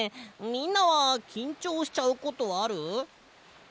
みんなはきんちょうしちゃうことある？